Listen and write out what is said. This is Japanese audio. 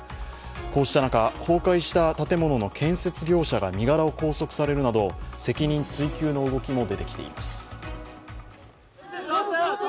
こうした中、倒壊した建物の建設業者が身柄を拘束されるなど責任追及の動きも出てきています。